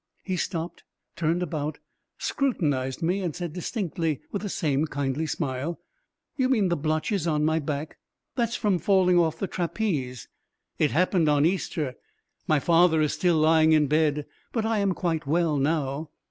He stopped, turned about, scrutinised me and said distinctly, with the same kindly smile: "You mean the blotches on my back? That's from falling off the trapeze. It happened on Easter. My father is still lying in bed, but I am quite well now."